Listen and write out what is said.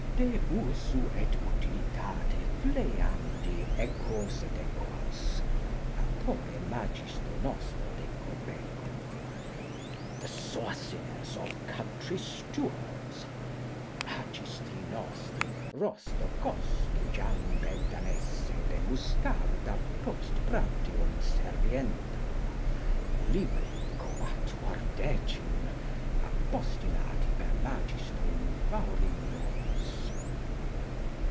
De usu et utilitate flayandi equos et equas, authore Magistro nostro de Quebecu. The Sauciness of Country Stewards. M.N. Rostocostojambedanesse de mustarda post prandium servienda, libri quatuordecim, apostillati per M. Vaurillonis.